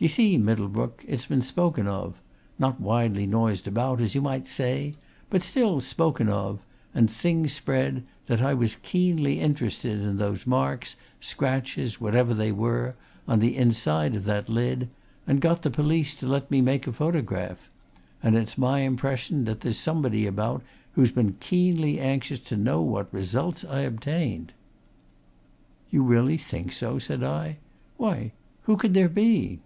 Ye see, Middlebrook, it's been spoken of not widely noised abroad, as you might say, but still spoken of, and things spread, that I was keenly interested in those marks, scratches, whatever they were, on the inside of that lid, and got the police to let me make a photograph, and it's my impression that there's somebody about who's been keenly anxious to know what results I obtained." "You really think so?" said I. "Why who could there be?"